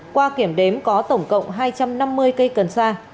qua kiểm đếm có tổng cộng hai trăm năm mươi cây cần sa